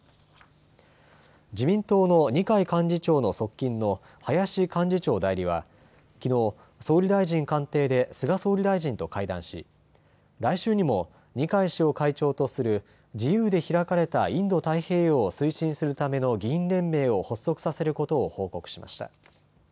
自民党の二階幹事長の側近の林幹事長代理はきのう総理大臣官邸で菅総理大臣と会談し来週にも二階氏を会長とする自由で開かれたインド太平洋を推進するための議員連盟を発足させることを報告しました。